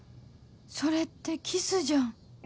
それってキスじゃん